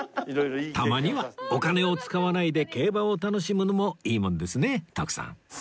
たまにはお金を使わないで競馬を楽しむのもいいもんですね徳さん